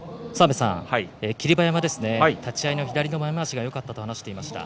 霧馬山、立ち合いの左の前まわしがよかったと話していました。